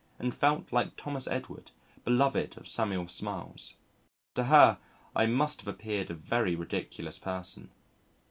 and felt like Thomas Edward, beloved of Samuel Smiles. To her I must have appeared a very ridiculous person.